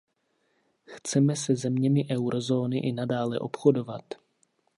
Chceme se zeměmi eurozóny i nadále obchodovat.